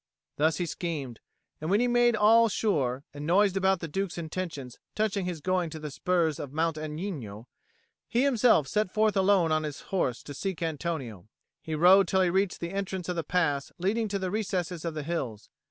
Thus he schemed; and when he had made all sure, and noised about the Duke's intentions touching his going to the spurs of Mount Agnino, he himself set forth alone on his horse to seek Antonio. He rode till he reached the entrance of the pass leading to the recesses of the hills.